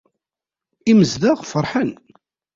Imezdaɣ ferḥen.